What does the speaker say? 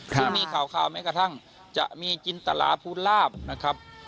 ซึ่งมีข่าวแม้กระทั่งจะมีจินตลาภูลาภนะครับ